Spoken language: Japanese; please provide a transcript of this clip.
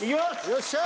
よっしゃ。